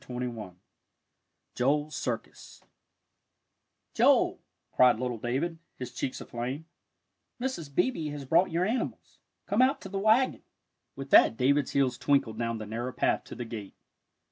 XXI JOEL'S CIRCUS "Joel," cried little David, his cheeks aflame, "Mrs. Beebe has brought your animals. Come out to th' wagon." With that David's heels twinkled down the narrow path to the gate.